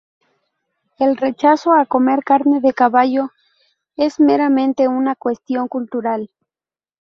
El rechazo a comer carne de caballo es meramente una cuestión cultural.